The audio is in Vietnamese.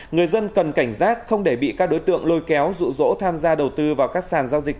người dân cần cảnh giác không để bị các đối tượng lôi kéo rụ rỗ tham gia đầu tư vào các sàn giao dịch